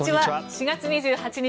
４月２８日、